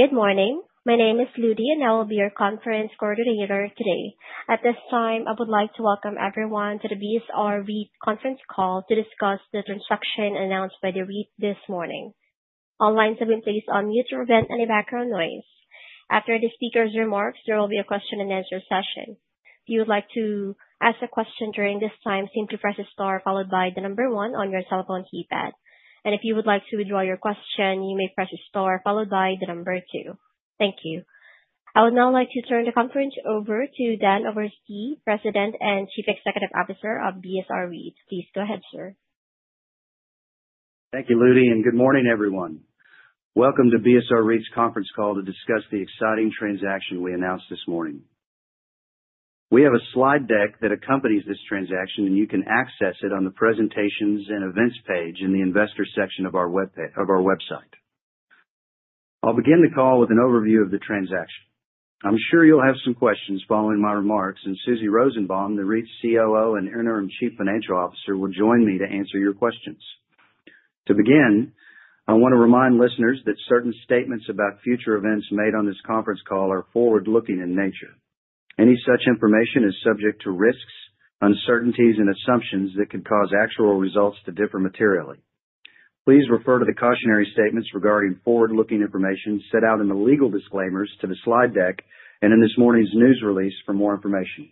Good morning. My name is Lydia, and I will be your conference coordinator today. At this time, I would like to welcome everyone to the BSR REIT conference call to discuss the transaction announced by the REIT this morning. All lines have been placed on mute to prevent any background noise. After the speaker's remarks, there will be a question-and-answer session. If you would like to ask a question during this time, simply press the star followed by the number one on your cell phone keypad, and if you would like to withdraw your question, you may press the star followed by the number two. Thank you. I would now like to turn the conference over to Dan Oberste, President and Chief Executive Officer of BSR REIT. Please go ahead, sir. Thank you, Lydia, and good morning, everyone. Welcome to BSR REIT's conference call to discuss the exciting transaction we announced this morning. We have a slide deck that accompanies this transaction, and you can access it on the Presentations and Events page in the Investor section of our website. I'll begin the call with an overview of the transaction. I'm sure you'll have some questions following my remarks, and Susie Rosenbaum, the REIT's COO and Interim Chief Financial Officer, will join me to answer your questions. To begin, I want to remind listeners that certain statements about future events made on this conference call are forward-looking in nature. Any such information is subject to risks, uncertainties, and assumptions that could cause actual results to differ materially. Please refer to the cautionary statements regarding forward-looking information set out in the legal disclaimers, to the slide deck, and in this morning's news release for more information.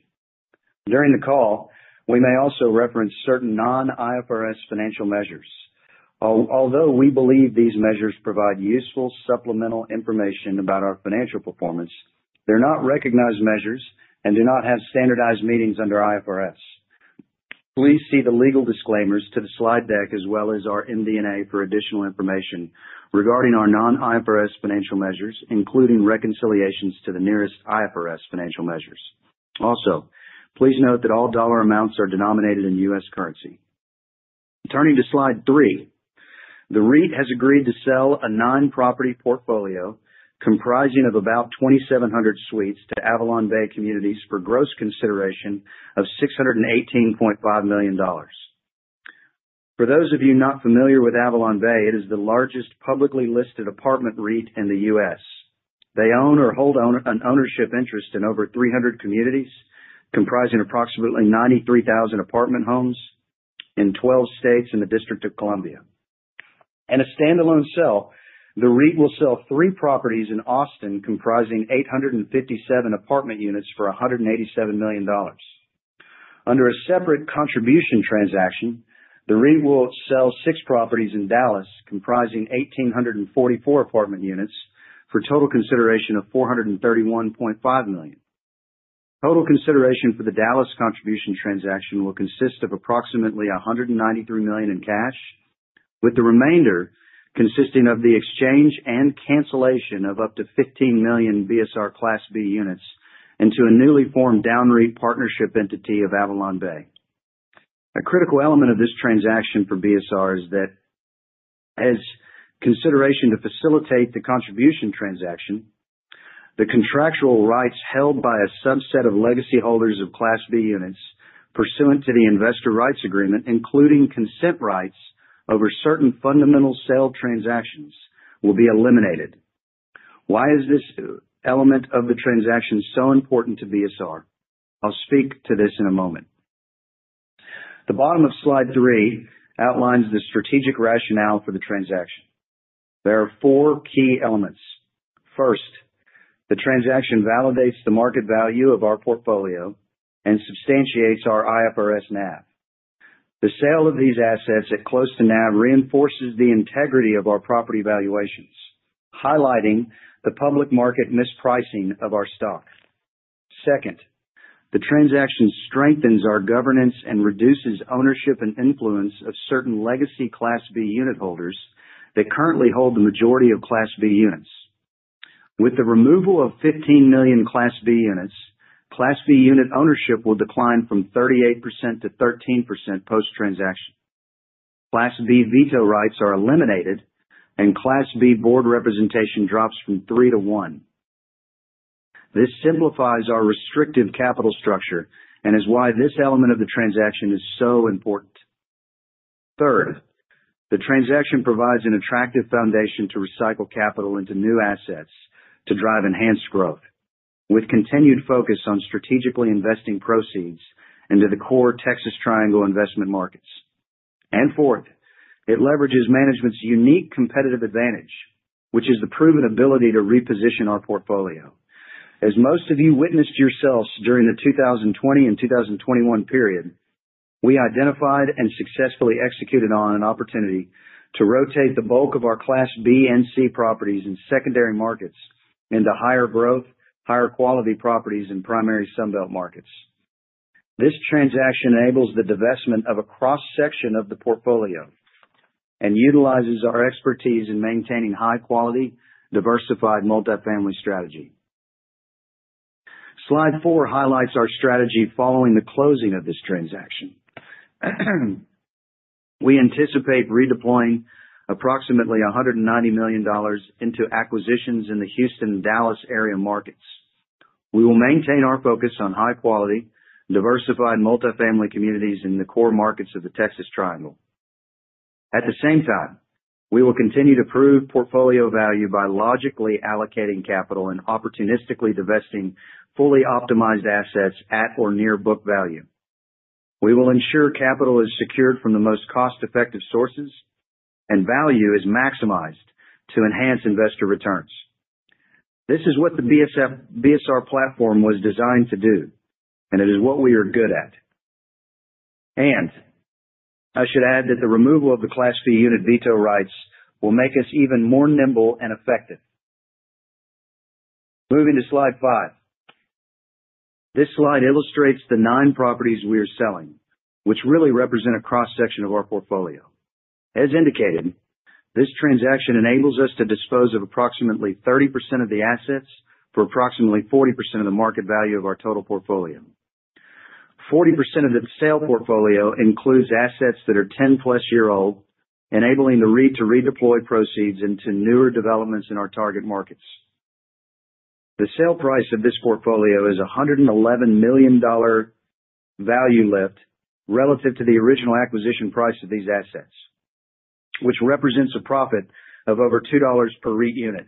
During the call, we may also reference certain non-IFRS financial measures. Although we believe these measures provide useful supplemental information about our financial performance, they're not recognized measures and do not have standardized meanings under IFRS. Please see the legal disclaimers to the slide deck as well as our MD&A for additional information regarding our non-IFRS financial measures, including reconciliations to the nearest IFRS financial measures. Also, please note that all dollar amounts are denominated in U.S. currency. Turning to slide three, the REIT has agreed to sell a nine-property portfolio comprising of about 2,700 suites to AvalonBay Communities for gross consideration of $618.5 million. For those of you not familiar with AvalonBay, it is the largest publicly listed apartment REIT in the U.S. They own or hold an ownership interest in over 300 communities comprising approximately 93,000 apartment homes in 12 states in the District of Columbia. In a standalone sale, the REIT will sell three properties in Austin comprising 857 apartment units for $187 million. Under a separate contribution transaction, the REIT will sell six properties in Dallas comprising 1,844 apartment units for a total consideration of $431.5 million. Total consideration for the Dallas contribution transaction will consist of approximately $193 million in cash, with the remainder consisting of the exchange and cancellation of up to 15 million BSR Class B units into a newly formed DownREIT partnership entity of AvalonBay. A critical element of this transaction for BSR is that, as consideration to facilitate the contribution transaction, the contractual rights held by a subset of legacy holders of Class B units pursuant to the investor rights agreement, including consent rights over certain fundamental sale transactions, will be eliminated. Why is this element of the transaction so important to BSR? I'll speak to this in a moment. The bottom of slide three outlines the strategic rationale for the transaction. There are four key elements. First, the transaction validates the market value of our portfolio and substantiates our IFRS NAV. The sale of these assets at close to NAV reinforces the integrity of our property valuations, highlighting the public market mispricing of our stock. Second, the transaction strengthens our governance and reduces ownership and influence of certain legacy Class B unit holders that currently hold the majority of Class B units. With the removal of 15 million Class B Units, Class B Unit ownership will decline from 38%-13% post-transaction. Class B veto rights are eliminated, and Class B board representation drops from three to one. This simplifies our restrictive capital structure and is why this element of the transaction is so important. Third, the transaction provides an attractive foundation to recycle capital into new assets to drive enhanced growth, with continued focus on strategically investing proceeds into the core Texas Triangle investment markets. And fourth, it leverages management's unique competitive advantage, which is the proven ability to reposition our portfolio. As most of you witnessed yourselves during the 2020 and 2021 period, we identified and successfully executed on an opportunity to rotate the bulk of our Class B and C properties in secondary markets into higher-growth, higher-quality properties in primary Sunbelt markets. This transaction enables the divestment of a cross-section of the portfolio and utilizes our expertise in maintaining high-quality, diversified multifamily strategy. Slide four highlights our strategy following the closing of this transaction. We anticipate redeploying approximately $190 million into acquisitions in the Houston and Dallas area markets. We will maintain our focus on high-quality, diversified multifamily communities in the core markets of the Texas Triangle. At the same time, we will continue to prove portfolio value by logically allocating capital and opportunistically divesting fully optimized assets at or near book value. We will ensure capital is secured from the most cost-effective sources and value is maximized to enhance investor returns. This is what the BSR platform was designed to do, and it is what we are good at. And I should add that the removal of the Class B unit veto rights will make us even more nimble and effective. Moving to slide five. This slide illustrates the nine properties we are selling, which really represent a cross-section of our portfolio. As indicated, this transaction enables us to dispose of approximately 30% of the assets for approximately 40% of the market value of our total portfolio. 40% of the sale portfolio includes assets that are 10-plus years old, enabling the REIT to redeploy proceeds into newer developments in our target markets. The sale price of this portfolio is a $111 million value lift relative to the original acquisition price of these assets, which represents a profit of over $2 per REIT unit.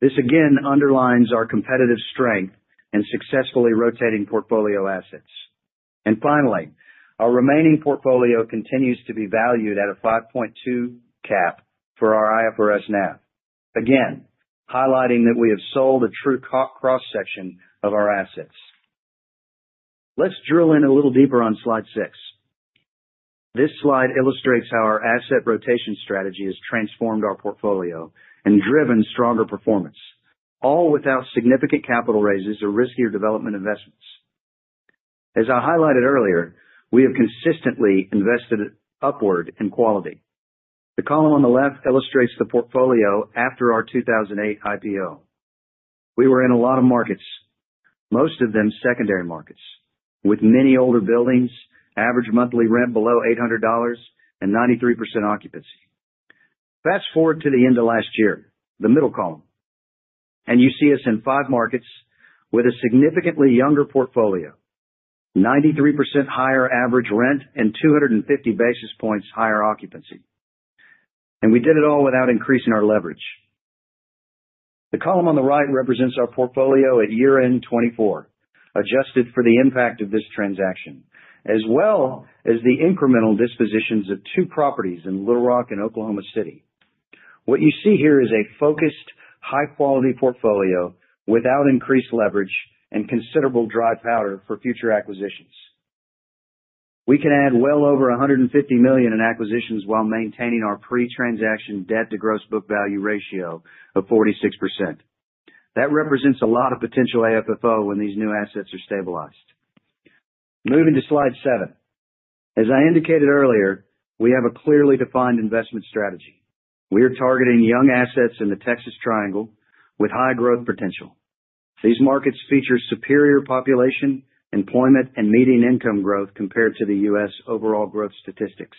This again underlines our competitive strength and successfully rotating portfolio assets. And finally, our remaining portfolio continues to be valued at a 5.2 cap for our IFRS NAV, again highlighting that we have sold a true cross-section of our assets. Let's drill in a little deeper on slide six. This slide illustrates how our asset rotation strategy has transformed our portfolio and driven stronger performance, all without significant capital raises or riskier development investments. As I highlighted earlier, we have consistently invested upward in quality. The column on the left illustrates the portfolio after our 2008 IPO. We were in a lot of markets, most of them secondary markets, with many older buildings, average monthly rent below $800, and 93% occupancy. Fast forward to the end of last year, the middle column, and you see us in five markets with a significantly younger portfolio, 93% higher average rent and 250 basis points higher occupancy, and we did it all without increasing our leverage. The column on the right represents our portfolio at year-end 2024, adjusted for the impact of this transaction, as well as the incremental dispositions of two properties in Little Rock and Oklahoma City. What you see here is a focused, high-quality portfolio without increased leverage and considerable dry powder for future acquisitions. We can add well over $150 million in acquisitions while maintaining our pre-transaction debt-to-gross book value ratio of 46%. That represents a lot of potential AFFO when these new assets are stabilized. Moving to slide seven. As I indicated earlier, we have a clearly defined investment strategy. We are targeting young assets in the Texas Triangle with high growth potential. These markets feature superior population, employment, and median income growth compared to the U.S. overall growth statistics.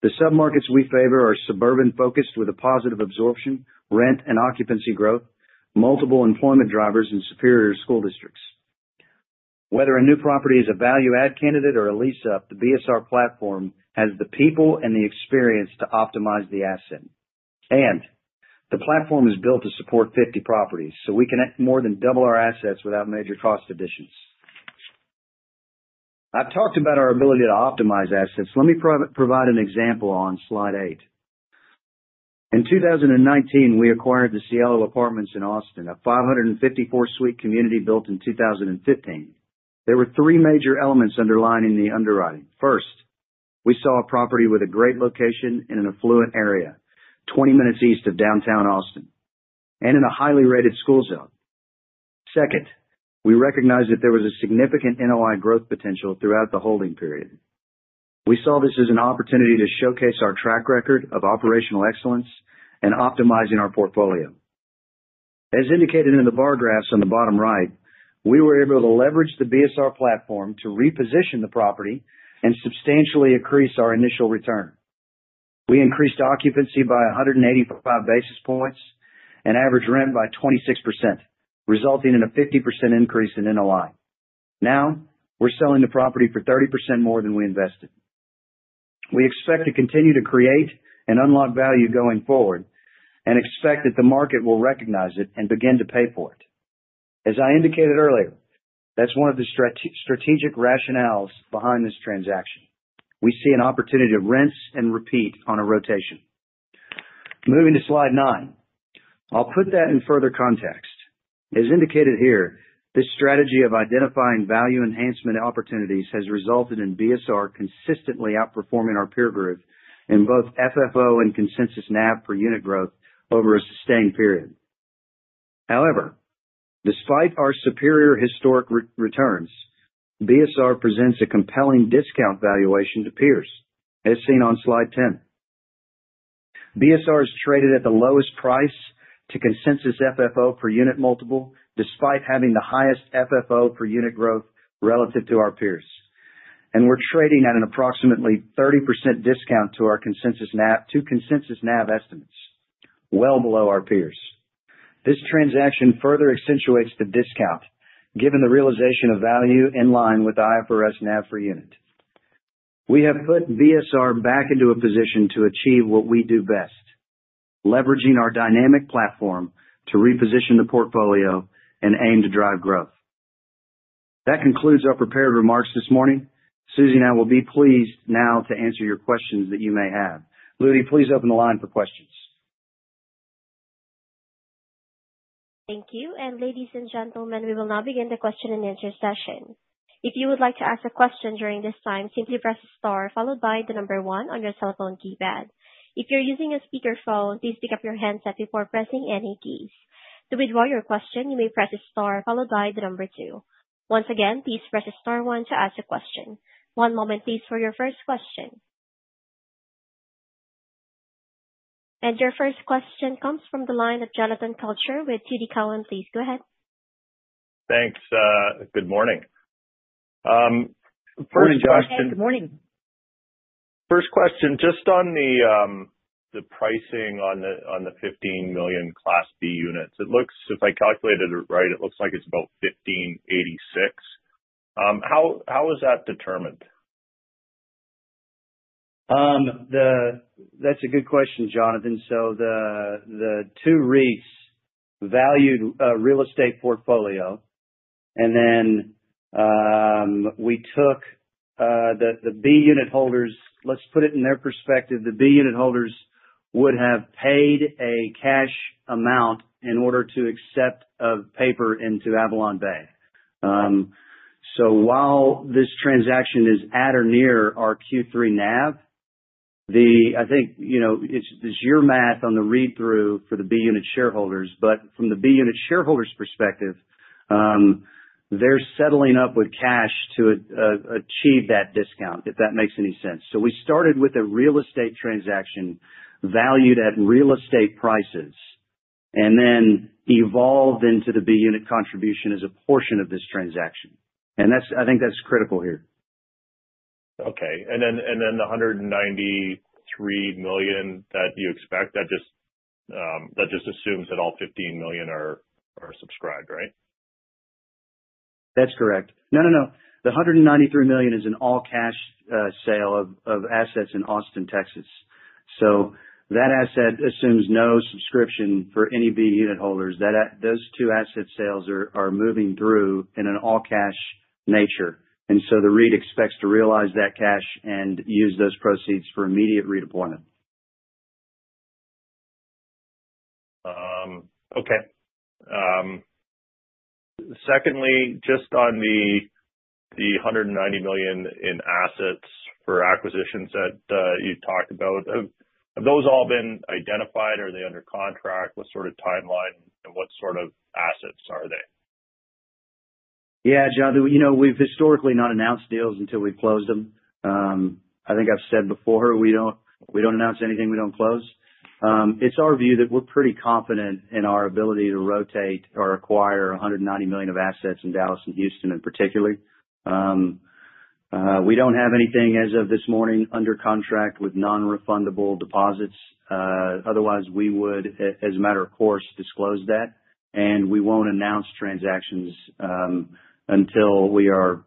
The sub-markets we favor are suburban-focused with a positive absorption, rent, and occupancy growth, multiple employment drivers, and superior school districts. Whether a new property is a value-add candidate or a lease-up, the BSR platform has the people and the experience to optimize the asset, and the platform is built to support 50 properties, so we can more than double our assets without major cost additions. I've talked about our ability to optimize assets. Let me provide an example on slide eight. In 2019, we acquired the Cielo Apartments in Austin, a 554-suite community built in 2015. There were three major elements underlining the underwriting. First, we saw a property with a great location in an affluent area, 20 minutes east of downtown Austin, and in a highly rated school zone. Second, we recognized that there was a significant NOI growth potential throughout the holding period. We saw this as an opportunity to showcase our track record of operational excellence and optimizing our portfolio. As indicated in the bar graphs on the bottom right, we were able to leverage the BSR platform to reposition the property and substantially increase our initial return. We increased occupancy by 185 basis points and average rent by 26%, resulting in a 50% increase in NOI. Now, we're selling the property for 30% more than we invested. We expect to continue to create and unlock value going forward and expect that the market will recognize it and begin to pay for it. As I indicated earlier, that's one of the strategic rationales behind this transaction. We see an opportunity to rent and repeat on a rotation. Moving to slide nine. I'll put that in further context. As indicated here, this strategy of identifying value enhancement opportunities has resulted in BSR consistently outperforming our peer group in both FFO and consensus NAV per unit growth over a sustained period. However, despite our superior historic returns, BSR presents a compelling discount valuation to peers, as seen on slide 10. BSR is traded at the lowest price to consensus FFO per unit multiple, despite having the highest FFO per unit growth relative to our peers, and we're trading at an approximately 30% discount to our consensus NAV estimates, well below our peers. This transaction further accentuates the discount, given the realization of value in line with IFRS NAV per unit. We have put BSR back into a position to achieve what we do best, leveraging our dynamic platform to reposition the portfolio and aim to drive growth. That concludes our prepared remarks this morning. Susie and I will be pleased now to answer your questions that you may have. Lydia, please open the line for questions. Thank you, and ladies and gentlemen, we will now begin the question and answer session. If you would like to ask a question during this time, simply press the star followed by the number one on your cell phone keypad. If you're using a speakerphone, please pick up your handset before pressing any keys. To withdraw your question, you may press the star followed by the number two. Once again, please press the star one to ask a question. One moment, please, for your first question. Your first question comes from the line of Jonathan Kelcher with TD Cowen. Please go ahead. Thanks. Good morning. Good morning, Jonathan. Good morning. First question, just on the pricing on the 15 million Class B units, it looks if I calculated it right, it looks like it's about 1,586. How is that determined? That's a good question, Jonathan. The two REITs valued real estate portfolio, and then we took the B unit holders. Let's put it in their perspective. The B unit holders would have paid a cash amount in order to accept paper into AvalonBay. While this transaction is at or near our Q3 NAV, I think it's your math on the read-through for the B unit shareholders. But from the B unit shareholders' perspective, they're settling up with cash to achieve that discount, if that makes any sense. We started with a real estate transaction valued at real estate prices and then evolved into the B unit contribution as a portion of this transaction. I think that's critical here. Okay. Then the $193 million that you expect, that just assumes that all $15 million are subscribed, right? That's correct. No, no, no. The $193 million is an all-cash sale of assets in Austin, Texas. So that asset assumes no subscription for any B unit holders. Those two asset sales are moving through in an all-cash nature, and so the REIT expects to realize that cash and use those proceeds for immediate redeployment. Okay. Secondly, just on the $190 million in assets for acquisitions that you talked about, have those all been identified? Are they under contract? What sort of timeline and what sort of assets are they? Yeah, Jonathan, we've historically not announced deals until we've closed them. I think I've said before, we don't announce anything we don't close. It's our view that we're pretty confident in our ability to rotate or acquire $190 million of assets in Dallas and Houston in particular. We don't have anything, as of this morning, under contract with non-refundable deposits. Otherwise, we would, as a matter of course, disclose that. And we won't announce transactions until we are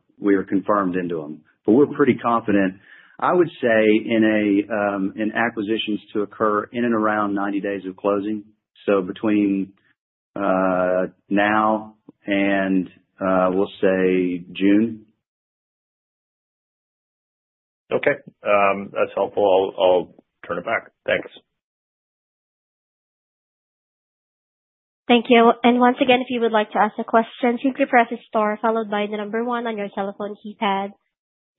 confirmed into them. But we're pretty confident, I would say, in acquisitions to occur in and around 90 days of closing. So between now and, we'll say, June. Okay. That's helpful. I'll turn it back. Thanks. Thank you. And once again, if you would like to ask a question, simply press the star followed by the number one on your cell phone keypad.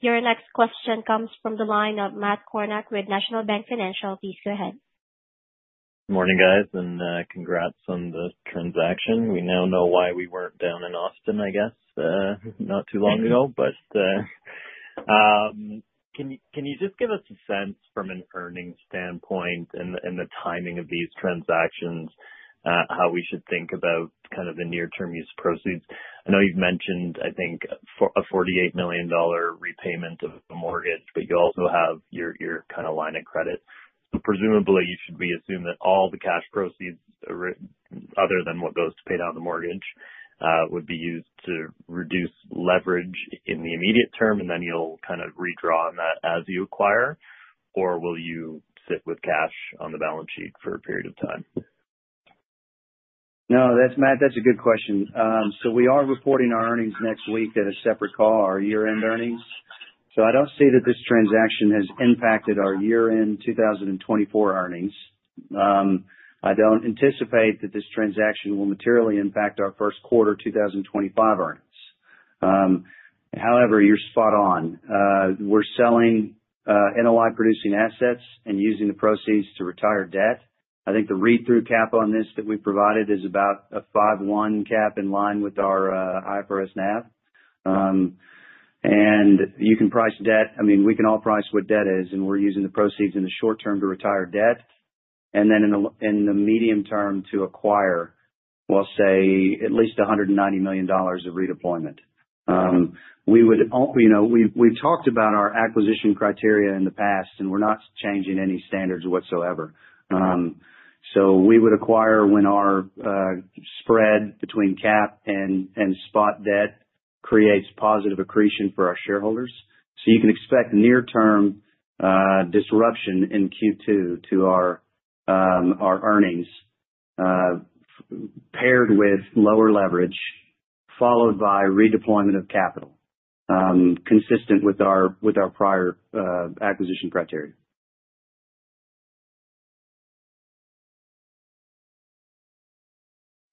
Your next question comes from the line of Matt Kornack with National Bank Financial. Please go ahead. Morning, guys, and congrats on the transaction. We now know why we weren't down in Austin, I guess, not too long ago. But can you just give us a sense from an earnings standpoint and the timing of these transactions, how we should think about kind of the near-term use proceeds? I know you've mentioned, I think, a $48 million repayment of a mortgage, but you also have your kind of line of credit. Presumably, you should be assumed that all the cash proceeds, other than what goes to pay down the mortgage, would be used to reduce leverage in the immediate term, and then you'll kind of redraw on that as you acquire, or will you sit with cash on the balance sheet for a period of time? No, that's a good question. So we are reporting our earnings next week in a separate call, our year-end earnings. So I don't see that this transaction has impacted our year-end 2024 earnings. I don't anticipate that this transaction will materially impact our first quarter 2025 earnings. However, you're spot on. We're selling NOI-producing assets and using the proceeds to retire debt. I think the read-through cap on this that we provided is about a 5.1 cap in line with our IFRS NAV. And you can price debt. I mean, we can all price what debt is, and we're using the proceeds in the short term to retire debt and then in the medium term to acquire, we'll say, at least $190 million of redeployment. We've talked about our acquisition criteria in the past, and we're not changing any standards whatsoever. So we would acquire when our spread between cap and spot debt creates positive accretion for our shareholders. So you can expect near-term disruption in Q2 to our earnings paired with lower leverage, followed by redeployment of capital, consistent with our prior acquisition criteria.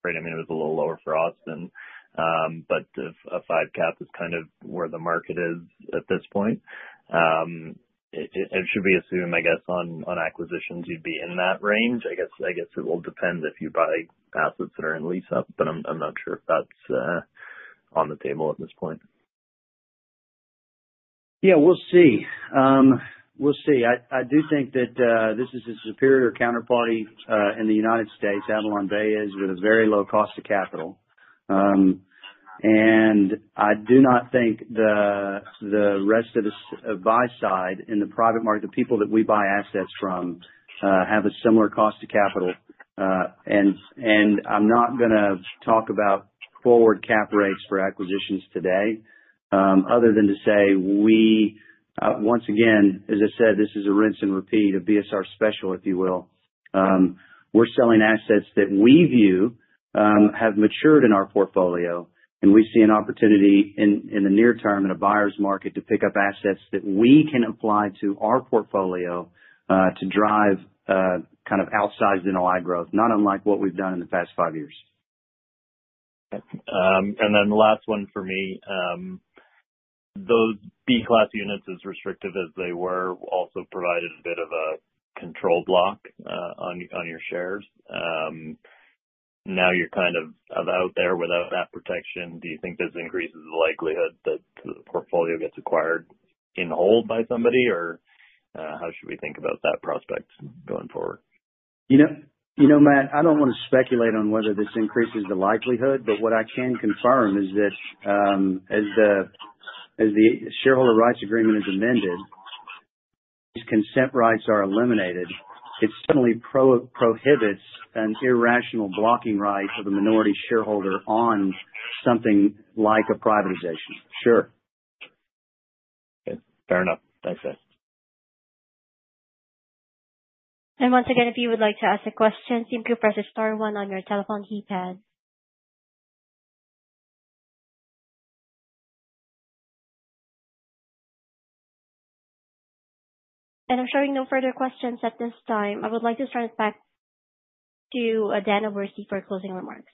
Right. I mean, it was a little lower for Austin, but a 5 cap is kind of where the market is at this point. It should be assumed, I guess, on acquisitions you'd be in that range. I guess it will depend if you buy assets that are in lease-up, but I'm not sure if that's on the table at this point. Yeah, we'll see. We'll see. I do think that this is a superior counterparty in the United States. AvalonBay is with a very low cost of capital. I do not think the rest of the buy side in the private market, the people that we buy assets from, have a similar cost of capital. I'm not going to talk about forward cap rates for acquisitions today other than to say, once again, as I said, this is a rinse and repeat of BSR Special, if you will. We're selling assets that we view have matured in our portfolio, and we see an opportunity in the near term in a buyer's market to pick up assets that we can apply to our portfolio to drive kind of outsized NOI growth, not unlike what we've done in the past five years. Then the last one for me, those Class B units, as restrictive as they were, also provided a bit of a control block on your shares. Now you're kind of out there without that protection. Do you think this increases the likelihood that the portfolio gets acquired and held by somebody, or how should we think about that prospect going forward? You know, Matt, I don't want to speculate on whether this increases the likelihood, but what I can confirm is that as the shareholder rights agreement is amended, these consent rights are eliminated. It certainly prohibits an irrational blocking right of a minority shareholder on something like a privatization. Sure. Fair enough. Thanks, guys. And once again, if you would like to ask a question, simply press the star one on your cell phone keypad. And I'm showing no further questions at this time. I would like to turn it back to Daniel Oberste for closing remarks.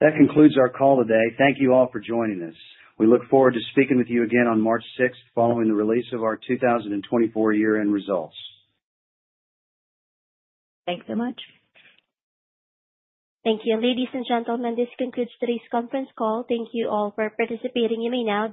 That concludes our call today. Thank you all for joining us. We look forward to speaking with you again on March 6th following the release of our 2024 year-end results. Thanks so much. Thank you. Ladies and gentlemen, this concludes today's conference call. Thank you all for participating. You may now.